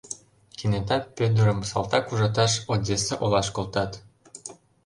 Кенета Пӧдырым салтак ужаташ Одесса олаш колтат.